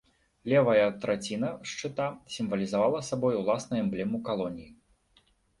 Левая траціна шчыта сімвалізавала сабой уласна эмблему калоніі.